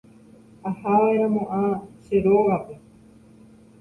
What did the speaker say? Ahava'erãmo'ã che rógape